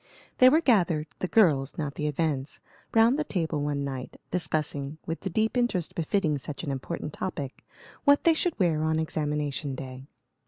They were gathered the girls, not the events round the table one night, discussing, with the deep interest befitting such an important topic, what they should wear on examination day.